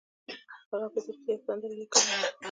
هغه په دې پسې یوه سندره لیکلې وه.